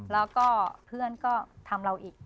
แล้วก็เพื่อนก็ทำเราอีก